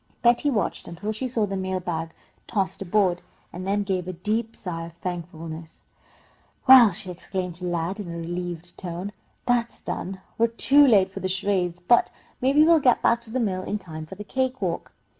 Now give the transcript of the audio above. Betty watched until she saw the mail bag tossed aboard, and then gave a deep sigh of thankfulness. "Well," she exclaimed to Lad, in a relieved tone, "that's done! We're too late for the charades, but maybe we'll get back to the mill in time for the cake walk."